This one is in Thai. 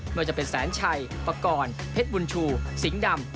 ว่าจะเป็นแสนชัยปกรณ์เพชรบุญชูสิงห์ดำ